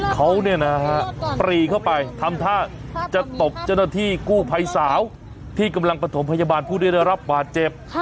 เขาปรีเข้าไปทำท่าจะตบเจ้าหน้าที่กู้ภัยสาวที่กำลังประถมพยาบาลผู้ได้รับบาดเจ็บ